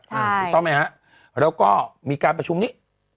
ถูกต้องไหมฮะแล้วก็มีการประชุมนี้